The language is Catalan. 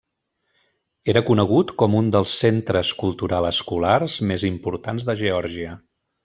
Era conegut com un dels centres cultural-escolars més importants de Geòrgia.